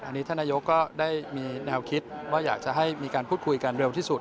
อันนี้ท่านนายกก็ได้มีแนวคิดว่าอยากจะให้มีการพูดคุยกันเร็วที่สุด